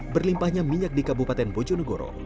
berlimpahnya minyak di kabupaten bojonegoro